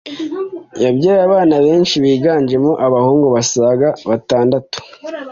yabyaye abana benshi biganjemo Abahungu basaga batandatu